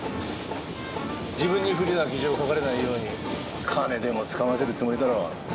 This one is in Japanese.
自分に不利な記事を書かれないように金でもつかませるつもりだろう。